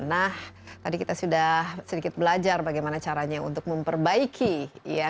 nah tadi kita sudah sedikit belajar bagaimana caranya untuk memperbaiki ya kepemimpinan khususnya dari sisi pemimpin